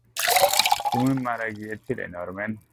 তুমি মারা গিয়েছিলে, নরম্যান।